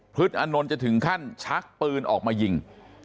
พฤทธิ์อนนท์จะถึงขั้นชักปืนออกมายิง